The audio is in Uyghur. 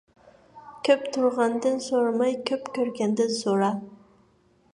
كۆپ تۇرغاندىن سورىماي، كۆپ كۆرگەندىن سورا.